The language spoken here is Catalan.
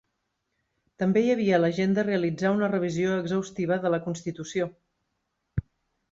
També hi havia a l'agenda realitzar una revisió exhaustiva de la constitució.